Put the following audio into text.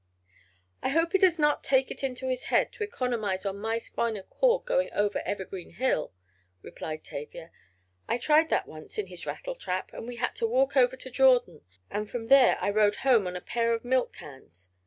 "I hope he does not take it into his head to economize on my spinal cord by going over Evergreen Hill," replied Tavia. "I tried that once in his rattletrap, and we had to walk over to Jordan, and from there I rode home on a pair of milk cans.